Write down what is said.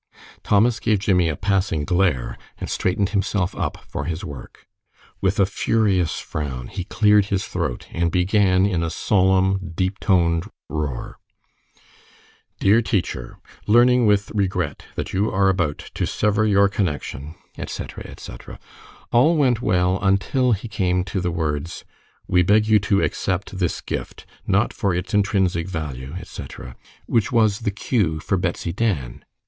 Thomas gave Jimmie a passing glare and straightened himself up for his work. With a furious frown he cleared his throat and began in a solemn, deep toned roar, "Dear teacher, learning with regret that you are about to sever your connection," etc., etc. All went well until he came to the words, "We beg you to accept this gift, not for its intrinsic value," etc., which was the cue for Betsy Dan.